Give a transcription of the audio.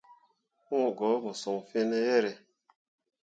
Wũũ go mo son fiine yere.